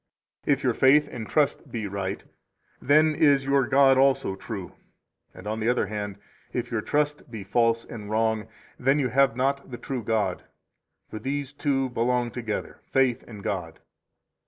3 If your faith and trust be right, then is your god also true; and, on the other hand, if your trust be false and wrong, then you have not the true God; for these two belong together, faith and God.